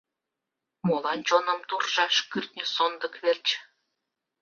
Молан чоным туржаш кӱртньӧ сондык верч?